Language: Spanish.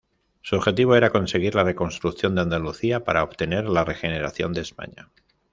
Su objetivo era conseguir la reconstrucción de Andalucía, para obtener la regeneración de España.